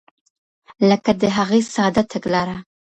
لکه د هغې ساده تګلاره.